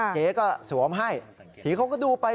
เจ๊ก็สวมให้ทีเขาก็ดูไป